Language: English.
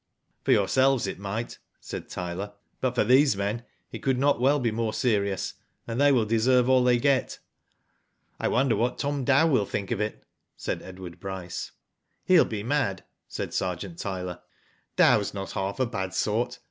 "For yourselves it might," said Tyler, "but for these men it could not well be more serious, and they will deserve all they get." "I wonder what Tom Dow will think of it?" said Edward Bryce. He'll be mad," said Sergeant Tyler. *' Dow's not half a bad sort.